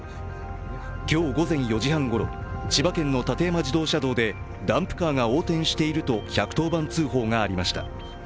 今日午前４時半ごろ千葉県の館山自動車道でダンプカーが横転していると１１０番通報がありました。